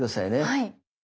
はい。